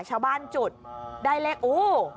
ชาวบ้านจุดได้เลขอู้